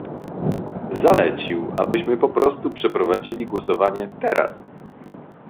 Zalecił, abyśmy po prostu przeprowadzili głosowanie teraz